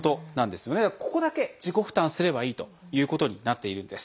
ここだけ自己負担すればいいということになっているんです。